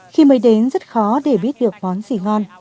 khi mới đến rất khó để biết được món xỉ ngon